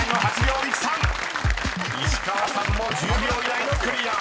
［石川さんも１０秒以内のクリアです］